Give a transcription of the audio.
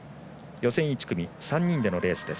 予選１組、３人でのレースです。